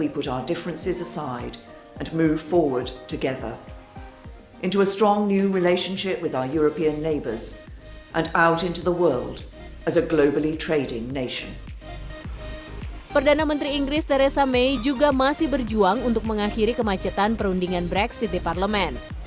perdana menteri inggris theresa mei juga masih berjuang untuk mengakhiri kemacetan perundingan brexit di parlemen